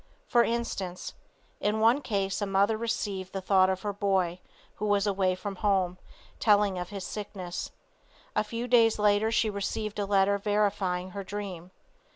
For instance, in one case a mother received the thought of her boy, who was away from home, telling of his sickness. A few days later she received a letter verifying her dream.